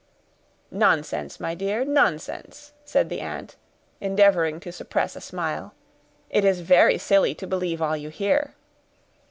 "Nonsense, my dear, nonsense," said the aunt, endeavoring to suppress a smile; "it is very silly to believe all you hear."